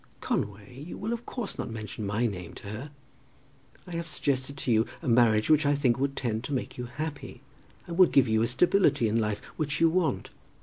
"Conway, you will of course not mention my name to her. I have suggested to you a marriage which I think would tend to make you happy, and would give you a stability in life which you want.